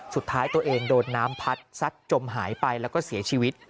สุดท้ายตัวเองโดนน้ำพัดซัดจมหายไปแล้วก็เสียชีวิต